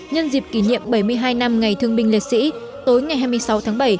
nhân dịp kỷ niệm bảy mươi hai năm ngày thương binh liệt sĩ tối ngày hai mươi sáu tháng bảy